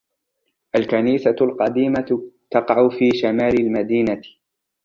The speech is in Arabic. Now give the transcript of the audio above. الكنيسة القديمة تقع في شمال المدينة